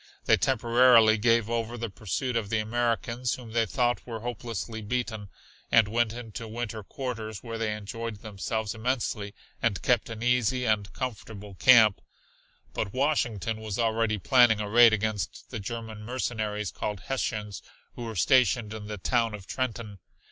They temporarily gave over the pursuit of the Americans, whom they thought were hopelessly beaten, and went into winter quarters, where they enjoyed themselves immensely and kept an easy and a comfortable camp. But Washington was already planning a raid against the German mercenaries called Hessians who were stationed in the town of Trenton.